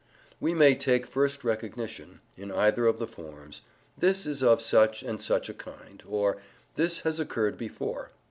We may take first recognition, in either of the forms "this is of such and such a kind" or "this has occurred before."